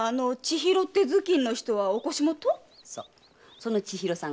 その千尋さんがね